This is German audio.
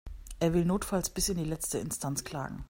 Er will notfalls bis in die letzte Instanz klagen.